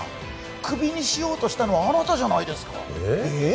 クビにしようとしたのはあなたじゃないですかえーっ？